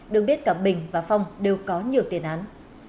đương biết cả bình và phong đều có nhiều tiền án